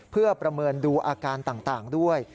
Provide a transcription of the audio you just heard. เพื่อประเมินดูอาการต่างด้วย